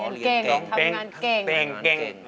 อ๋อเรียนเก่งเรียนเก่งทำงานเก่ง